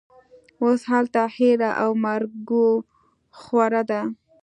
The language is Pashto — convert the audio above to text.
اوس هلته هېره او مرګوخوره ده